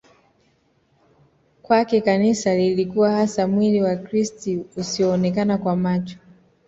Kwake Kanisa lilikuwa hasa mwli wa krist usioonekana kwa macho